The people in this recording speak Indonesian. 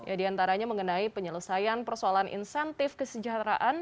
ya diantaranya mengenai penyelesaian persoalan insentif kesejahteraan